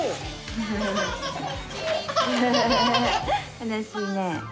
楽しいね。